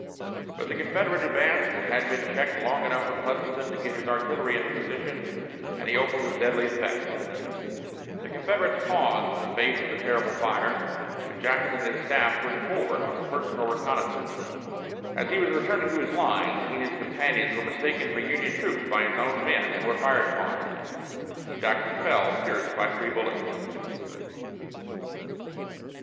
But the Confederate advance had been checked long enough for Pleasanton to get his artillery into position, and he opened with deadly effect. The Confederates paused in the face of the terrible fire, and Jackson and his staff pushed forward on a personal reconnoissance. As he was returning to his lines, he and his companions were mistaken for Union troops by his own men and were fired upon. Jackson fell, pierced by three bullets.